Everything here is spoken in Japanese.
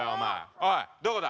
おいどこだ？